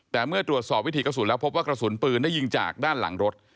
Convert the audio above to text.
แต่เมื่อตรวจสอบวิถีกระสุนแล้วพบว่ากระสุนปืนได้ยิงจากด้านหลังรถ